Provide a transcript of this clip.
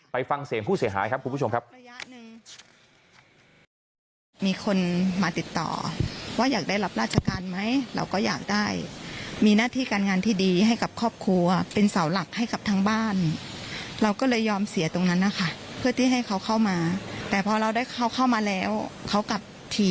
ฟังเสียงผู้เสียหายครับคุณผู้ชมครับ